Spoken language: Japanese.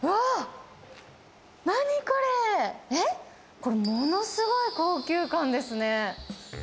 これ、ものすごい高級感ですね。